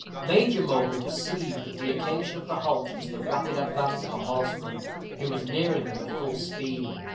Major Mowbray perceived that the occasion of the halt was the rapid advance of a horseman, who was nearing them at full speed.